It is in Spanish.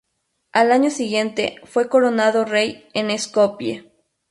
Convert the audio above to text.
Al año siguiente fue coronado rey en Skopie.